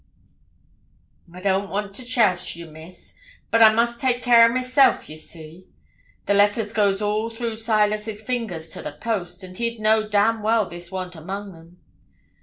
'I don't want to chouce ye, Miss; but I must take care o' myself, ye see. The letters goes all through Silas's fingers to the post, and he'd know damn well this worn't among 'em.